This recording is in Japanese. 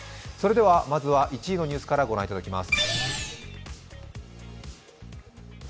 まずは１位のニュースからご覧いただきます。